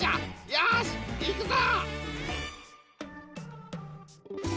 よしいくぞ！